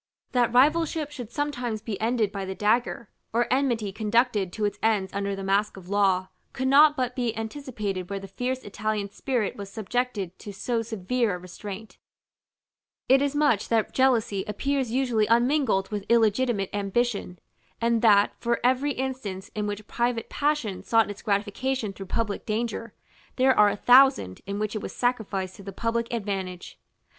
That rivalship should sometimes be ended by the dagger, or enmity conducted to its ends under the mask of law, could not but be anticipated where the fierce Italian spirit was subjected to so severe a restraint: it is much that jealousy appears usually unmingled with illegitimate ambition, and that, for every instance in which private passion sought its gratification through public danger, there are a thousand in which it was sacrificed to the public advantage.